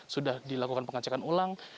sudah dilakukan pengecekan ulang